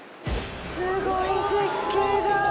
すごい絶景だ。